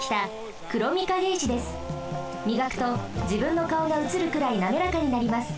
みがくとじぶんのかおがうつるくらいなめらかになります。